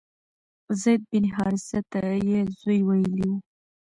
زید بن حارثه ته یې زوی ویلي و.